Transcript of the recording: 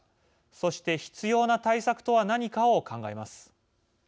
そして必要な対策とは何かを考えます。